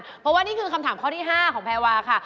เพราะว่านี่คือคำถามข้อที่๕ของแพรวาค่ะ